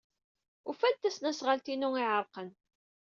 Ufan-d tasnasɣalt-inu iɛerqen.